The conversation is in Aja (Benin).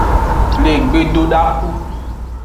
Le gbedodaxu.